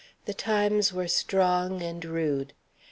The times were strong and rude.